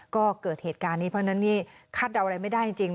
ก็เกิดเหตุการณ์นี้เพราะฉะนั้นนี่คาดเดาอะไรไม่ได้จริง